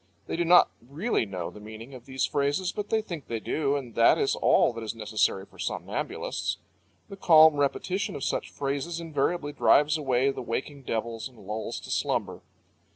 They do not really know the meaning of these phrases, but they think they do, and that is all that is necessary for somnambulists. The calm repetition of such phrases invariably drives away the waking devils and lulls to slumber.